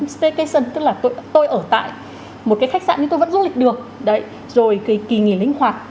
station tức là tôi ở tại một cái khách sạn nhưng tôi vẫn du lịch được đấy rồi cái kỳ nghỉ linh hoạt